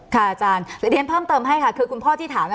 ค่ะอาจารย์เดี๋ยวเพิ่มเติมให้ค่ะคือคุณพ่อที่ถามนะ